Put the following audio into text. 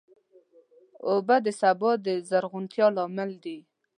اوبه د سبا د زرغونتیا لامل دي.